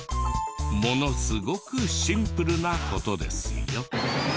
ものすごくシンプルな事ですよ。